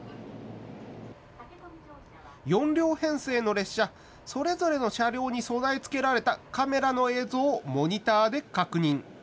４両編成の列車、それぞれの車両に備え付けられたカメラの映像をモニターで確認。